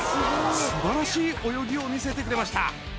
素晴らしい泳ぎを見せてくれました。